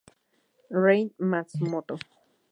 Rei Matsumoto